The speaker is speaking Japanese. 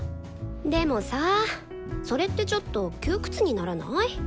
でもさあそれってちょっと窮屈にならない？